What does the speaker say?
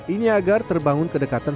ini agar terbangun kedekatan